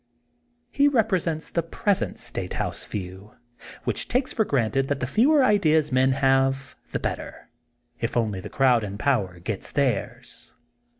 He represents the present State House Tiew which takes for granted that the fewer ideas men have the better, if only the crowd in power get theirs.